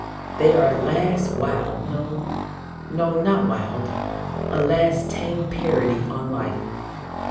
They are a last wild no, no; not wild a last tame parody on life.